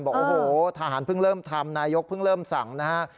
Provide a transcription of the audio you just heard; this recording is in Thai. บอกโอ้โหทหารเพิ่งเริ่มทำนายกเพิ่งเริ่มสั่งนะฮะ